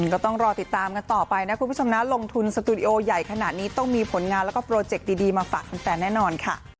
ก็ต้องรอติดตามกันต่อไปนะคุณผู้ชมนะลงทุนสตูดิโอใหญ่ขนาดนี้ต้องมีผลงานแล้วก็โปรเจคดีมาฝากแฟนแน่นอนค่ะ